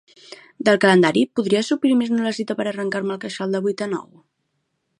Del calendari podries suprimir-nos la cita per arrencar-me el queixal de vuit a nou?